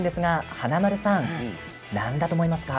華丸さん何だと思いますか？